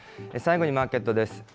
最後にマーケットです。